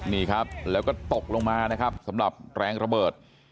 นี่ครับแล้วก็ตกลงมานะครับสำหรับแรงระเบิด